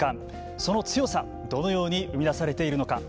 その強さ、どのように生み出されているのか。